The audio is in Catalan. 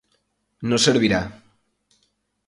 No servirà.